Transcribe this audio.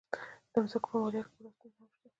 د مځکو په مالیاتو کې بله ستونزه هم شته.